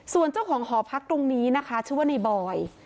ส่วนเจ้าของหอพักตรงนี้นะคะชื่อว่าในบอย